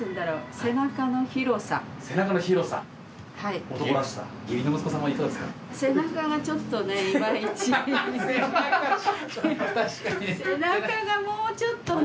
背中がもうちょっとね。